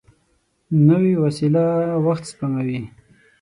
نوې وسېله وخت سپموي